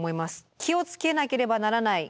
気を付けなければならないポイント